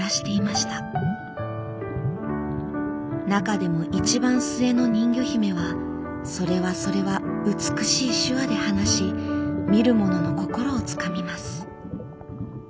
中でも一番末の人魚姫はそれはそれは美しい手話で話し見る者の心をつかみます。